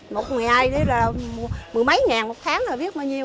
một ngày đi là mười mấy ngàn một tháng là biết bao nhiêu